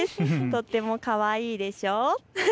とってもかわいいでしょう。